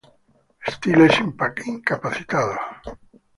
Stiles incapacitado.